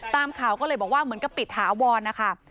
ตามข่าวก็เลยบอกว่าเหมือนกับปิดถาวรนะคะ